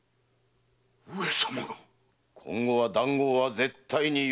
上様が⁉今後は談合は絶対に許されぬ。